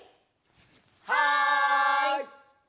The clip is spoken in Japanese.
はい！